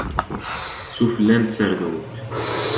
Sufella n tserdunt.